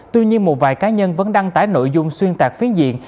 tuy nhiên một vài cá nhân vẫn đăng tải nội dung xuyên tạc phiến diện